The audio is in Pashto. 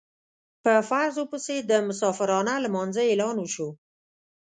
په فرضو پسې د مسافرانه لمانځه اعلان وشو.